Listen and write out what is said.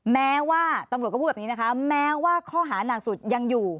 แม้ว่าตำรวจก็พูดแบบนี้นะคะแม้ว่าข้อหานักสุดยังอยู่